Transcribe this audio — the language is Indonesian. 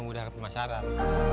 ya memudahkan pemasaran